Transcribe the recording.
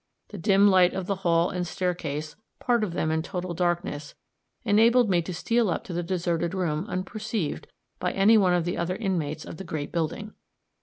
The dim light of the hall and staircase, part of them in total darkness, enabled me to steal up to the deserted room unperceived by any one of the other inmates of the great building.